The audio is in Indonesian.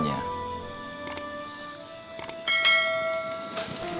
terima kasih pak mat